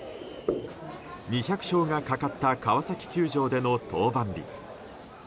２００勝がかかった川崎球場での登板日。